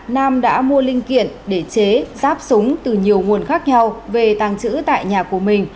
nam đã mua linh kiện để chế ráp súng từ nhiều nguồn khác nhau về tàng trữ tại nhà của mình